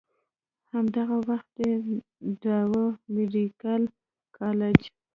هم دغه وخت ئې ډاؤ ميډيکل کالج